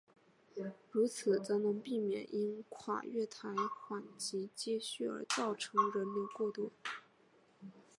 如此则能避免因跨月台缓急接续而造成人流过多。